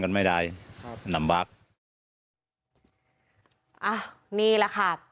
อ่ะนี่แล้วค่ะ